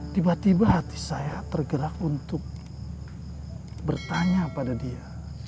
tiba tiba hati saya tergerak untuk bertanya pada dia